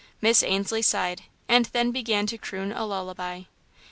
Miss Ainslie sighed, and then began to croon a lullaby.